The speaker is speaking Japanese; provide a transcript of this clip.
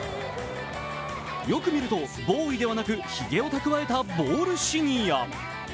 よく見るとボーイではなくひげをたくわえたボールシニア。